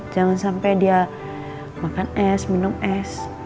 jangan sampai dia makan es minum es